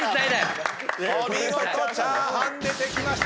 「チャーハン」出てきました。